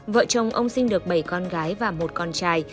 vợ chồng ông sinh được bảy con gái và một con trai